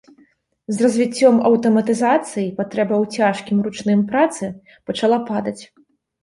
З развіццём аўтаматызацыі патрэба ў цяжкім ручным працы пачала падаць.